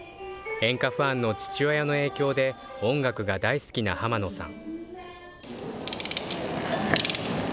演歌ファンの父親の影響で音楽が大好きな濱野さん。